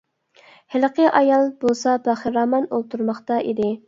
ھېلىقى ئايال بولسا بەخىرامان ئولتۇرماقتا ئىدى.